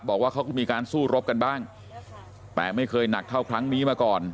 บอกว่าเขาก็มีการสู้รบกันบ้างแต่ไม่เคยหนักเท่าครั้งนี้มาก่อน